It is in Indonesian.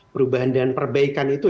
perubahan dan perbaikan itu